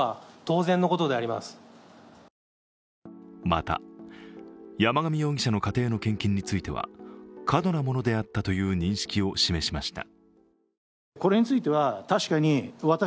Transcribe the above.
また、山上容疑者の家庭の献金については過度なものであったという認識を示しました。